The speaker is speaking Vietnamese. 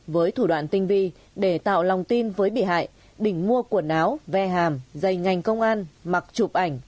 với thủ đoạn tinh vi để tạo lòng tin với bị hại đình mua quần áo ve hàm dày ngành công an mặc chụp ảnh